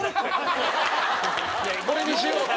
「これにしよう」って。